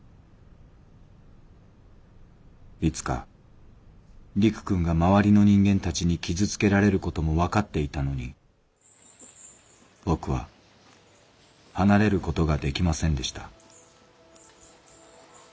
「いつか陸君が周りの人間たちに傷つけられることもわかっていたのに僕は離れることができませんでした」。